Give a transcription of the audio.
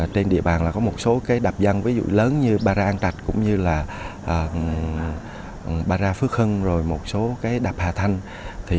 trên địa bàn có một số đạp dăng lớn như bara an trạch bara phước hưng một số đạp hà thanh